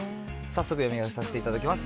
早速、読み上げさせていただきます。